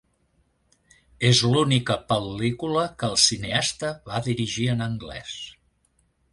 És l'única pel·lícula que el cineasta va dirigir en anglès.